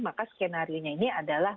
maka skenario ini adalah